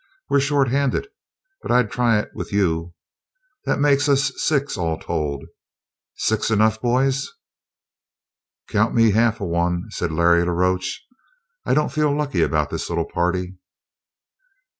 We're shorthanded, but I'd try it with you. That makes us six all told. Six enough, boys?" "Count me half of one," said Larry la Roche. "I don't feel lucky about this little party."